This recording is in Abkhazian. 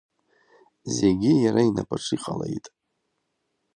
Зегьы иара инапаҿы иҟалеит.